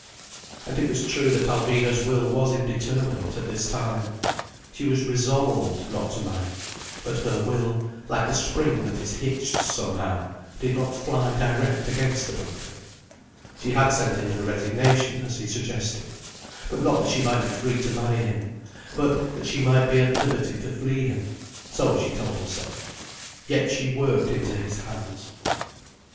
And it was true that Alvina's will was indeterminate, at this time. She was resolved not to marry. But her will, like a spring that is hitched somehow, did not fly direct against the doctor. She had sent in her resignation, as he suggested. But not that she might be free to marry him, but that she might be at liberty to flee him. So she told herself. Yet she worked into his hands.